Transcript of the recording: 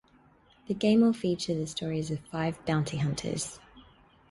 The game will feature the stories of five bounty hunters.